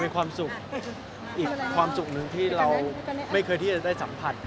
ความสุขที่ไม่เคยได้สัมผัส